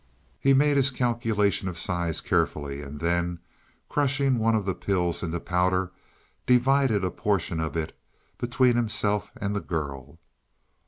He made his calculation of size carefully, and then, crushing one of the pills into powder, divided a portion of it between himself and the girl.